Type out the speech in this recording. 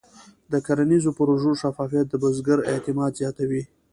د کرنیزو پروژو شفافیت د بزګر اعتماد زیاتوي.